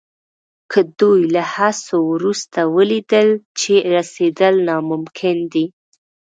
که دوی له هڅو وروسته ولیدل چې رسېدل ناممکن دي.